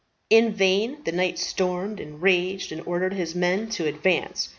In vain the knight stormed and raged and ordered his men to advance.